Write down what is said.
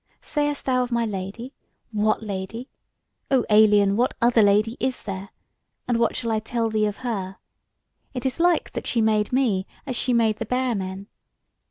sayest thou of my Lady? What Lady? O alien, what other Lady is there? And what shall I tell thee of her? it is like that she made me, as she made the Bear men.